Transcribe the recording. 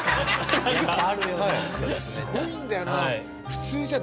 すごいんだよな。